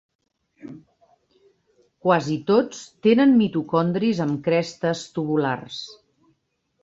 Quasi tots tenen mitocondris amb crestes tubulars.